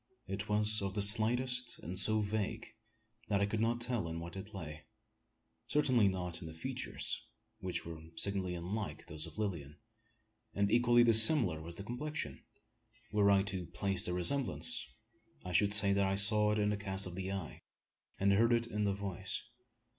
It was of the slightest, and so vague, that I could not tell in what it lay. Certainly not in the features which were signally unlike those of Lilian; and equally dissimilar was the complexion. Were I to place the resemblance, I should say that I saw it in the cast of the eye, and heard it in the voice.